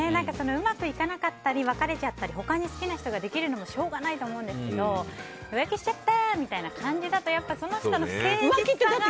うまくいかなかったり別れちゃったり他に好きな人ができるのもしょうがないとは思うんですけど浮気しちゃったみたいな感じだと、その人の誠実さが。